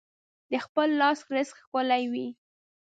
د خپل لاس رزق ښکلی وي.